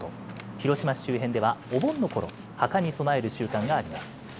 広島市周辺では、お盆のころ、墓に供える習慣があります。